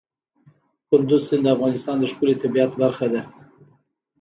کندز سیند د افغانستان د ښکلي طبیعت برخه ده.